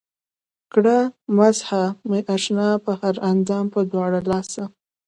کړه مسحه مې اشنا پۀ هر اندام پۀ دواړه لاسه